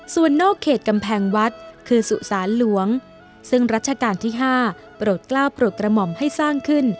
ส่วนนอกเขตกำแพงวัดคือสุสานหลวงซึ่งรัชกาลที่๕โปรดกล้าวโปรดกระหม่อมให้สร้างขึ้น